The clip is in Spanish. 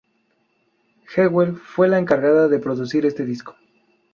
Jewel fue la encargada de producir este disco.